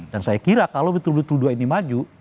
dan saya kira kalau betul betul dua ini maju